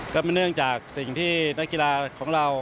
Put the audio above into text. ก็เนื่องจากสิ่งที่นักกีฬาของเรา